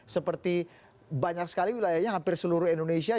seperti banyak sekali wilayahnya hampir seluruh indonesia